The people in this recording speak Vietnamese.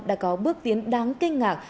đã có bước tiến đáng kinh ngạc